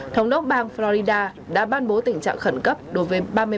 thống đốc bang florida đã ban bố tình trạng khẩn cấp đối với ba mươi ba quận ở bang này